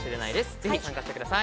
ぜひ参加してください。